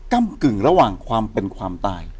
้ำกึ่งระหว่างความเป็นความตาย